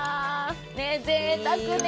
ぜいたくね。